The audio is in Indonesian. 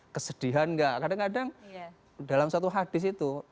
kesedihan nggak kadang kadang dalam suatu hadis itu